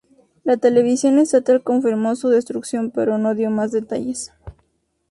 La televisión estatal confirmó su destrucción pero no dio más detalles.